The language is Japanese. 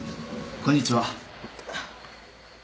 こんにちは。